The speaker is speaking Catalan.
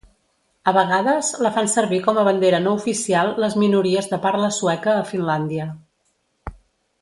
A vegades la fan servir com a bandera no oficial les minories de parla sueca a Finlàndia.